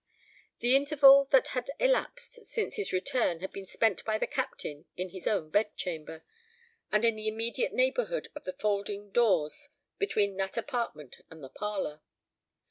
The interval that had elapsed since his return had been spent by the Captain in his own bedchamber, and in the immediate neighbourhood of the folding doors between that apartment and the parlour.